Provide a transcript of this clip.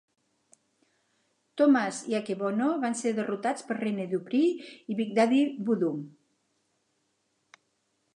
Thomas i Akebono van ser derrotats per Rene Dupree i Big Daddy Voodoo.